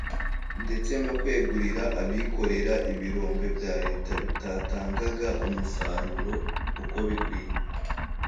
ndetse no kwegurira abikorera ibirombe bya leta bitatangaga umusaruro uko bikwiye